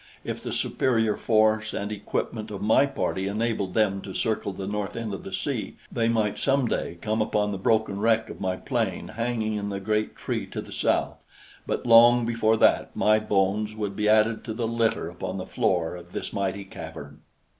If the superior force and equipment of my party enabled them to circle the north end of the sea, they might some day come upon the broken wreck of my plane hanging in the great tree to the south; but long before that, my bones would be added to the litter upon the floor of this mighty cavern.